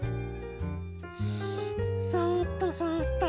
そっとそっと。